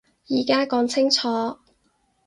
而家講清楚